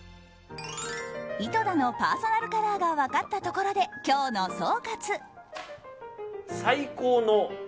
井戸田のパーソナルカラーが分かったところで今日の総括。